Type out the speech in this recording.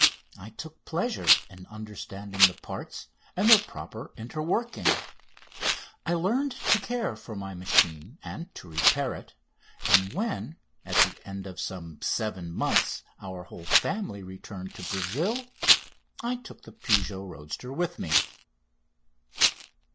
I took pleasure in understanding the parts and their proper interworking; I learned to care for my machine and to repair it; and when, at the end of some seven months, our whole family returned to Brazil I took the Peugeot roadster with me.